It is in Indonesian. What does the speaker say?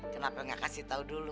kenapa nggak kasih tahu dulu